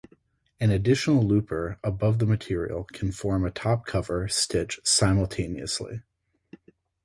An additional looper above the material can form a top cover stitch simultaneously.